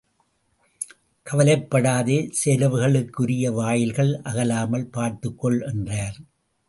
கவலைப்படாதே செலவுகளுக்குரிய வாயில்கள் அகலாமல் பார்த்துக் கொள் என்றார்.